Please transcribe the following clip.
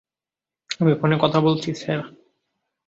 আমি ফোনে কথা বলছি, স্যার।